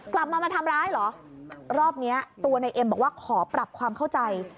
กลับมามาทำร้ายเหรอรอบเนี้ยตัวในเอ็มบอกว่าขอปรับความเข้าใจ